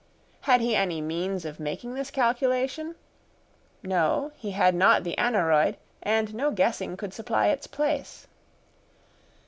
Had he any means of making this calculation? No, he had not the aneroid, and no guessing could supply its place.